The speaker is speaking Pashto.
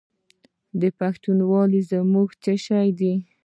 پښتونولي زموږ څه شی دی؟